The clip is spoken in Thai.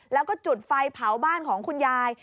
แล้วก็จุดไฟเผาบ้านของคุณยาย